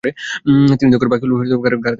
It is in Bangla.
তিনি তখন বাকীউল গারকাদে ছিলেন।